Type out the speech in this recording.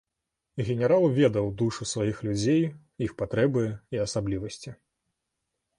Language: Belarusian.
Генерал ведаў душу сваіх людзей, іх патрэбы і асаблівасці.